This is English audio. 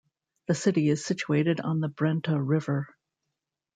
The city is situated on the Brenta River.